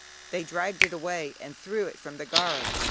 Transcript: They dragged it away, and threw it from the gharry.